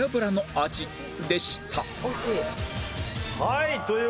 はい。